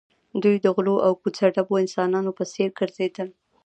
دوی د غلو او کوڅه ډبو انسانانو په څېر ګرځېدل